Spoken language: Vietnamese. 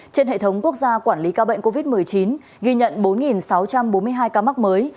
trên hệ thống quốc gia quản lý ca bệnh covid một mươi chín ghi nhận bốn sáu trăm bốn mươi hai ca mắc mới